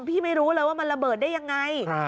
ไม่รู้เลยว่ามันระเบิดได้ยังไง